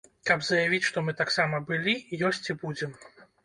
Каб заявіць, што, мы таксама былі, ёсць і будзем!